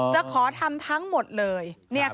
จะขอทำทั้งหมดเลย